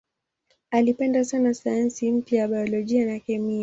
Alipenda sana sayansi mpya za biolojia na kemia.